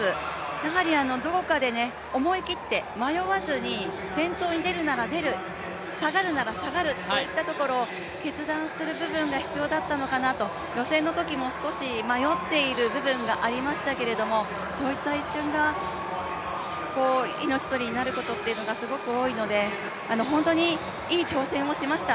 やはりどこかで思い切って迷わずに先頭に出るなら出る下がるなら下がるという決断をすることが必要だったのかなと、予選のときも少し迷っている部分がありましたけれども、そういった一瞬が命取りになることがすごく多いので、本当にいい挑戦をしました。